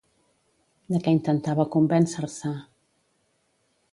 De què intentava convèncer-se?